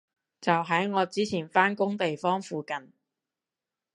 就喺我之前返工地方附近